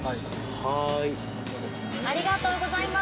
はい。